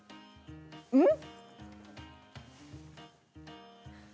うん！？